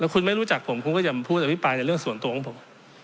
คุณไม่รู้จักผมคุณก็จะพูดอภิปรายในเรื่องส่วนตัวของผม